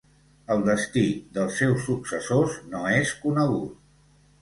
El destí dels seus successors no és conegut.